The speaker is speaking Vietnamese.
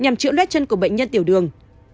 nhằm chữa loét chân của bệnh nhân tiểu đường